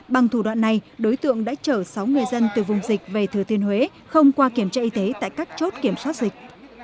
bằng thủ đoạn này đối tượng đã chở sáu người dân từ vùng dịch về thừa thiên huế không qua kiểm tra y tế tại các chốt kiểm soát dịch